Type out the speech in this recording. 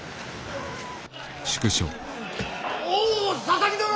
おお佐々木殿！